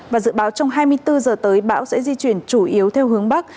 và dự báo trong hai mươi bốn giờ tới bão sẽ di chuyển chủ yếu theo hướng bắc